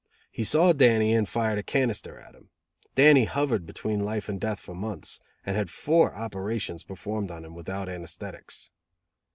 He saw Dannie and fired a cannister at him. Dannie hovered between life and death for months, and had four operations performed on him without anæsthetics.